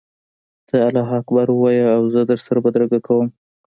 ته الله اکبر ووایه او زه در سره بدرګه کوم.